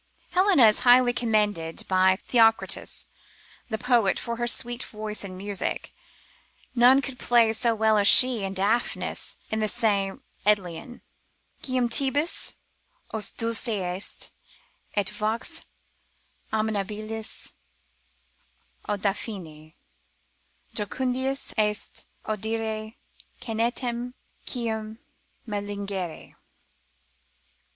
Helena is highly commended by Theocritus the poet for her sweet voice and music; none could play so well as she, and Daphnis in the same Edyllion, Quam tibi os dulce est, et vox amabilis o Daphni, Jucundius est audire te canentem, quam mel lingere!